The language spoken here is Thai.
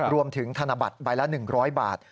รวมถึงธนบัตรใบละ๑๐๐บาท